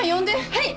はい！